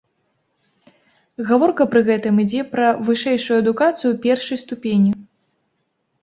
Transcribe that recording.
Гаворка пры гэтым ідзе пра вышэйшую адукацыю першай ступені.